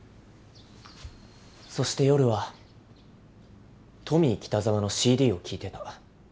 そして夜はトミー北沢のＣＤを聴いてた。